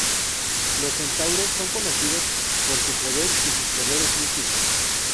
Los Centauros son conocidos por su poder y sus poderes místicos.